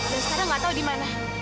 dan sekarang nggak tau di mana